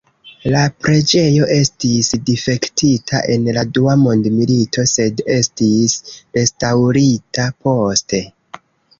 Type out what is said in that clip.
La preĝejo estis difektita en la dua mondmilito, sed estis restaŭrita poste.